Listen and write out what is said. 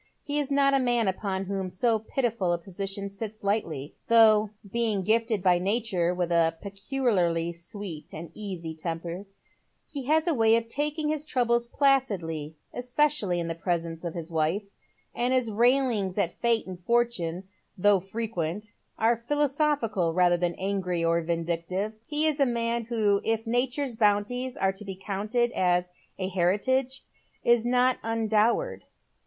He is not a n .an upon whom so pitiful a position sits lightly ; though — being gifted by nature with a peculiarly sweet and eaay temper — he has a way of taking his troubles placidly, especially in the presence of hia wife, and hia railings at Fate and Fortune, though fi equent, are philosophical rather than angry or vindictive. He is a man who, if Nature's bounties are to be counted as a heritage, is not undowered.